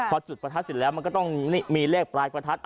พอจุดประทัดเสร็จแล้วมันก็ต้องมีเลขปลายประทัด